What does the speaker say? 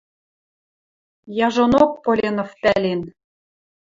Яжонок Поленов пӓлен